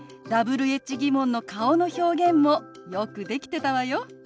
Ｗｈ−疑問の顔の表現もよくできてたわよ。